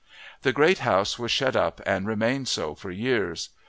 The great house was shut up and remained so for years.